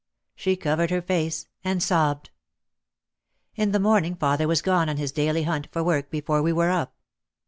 She covered her face and sobbed. In the morning father was gone on his daily hunt for work before we were up.